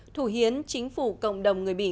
thủ hiến chính phủ cộng đồng người bỉ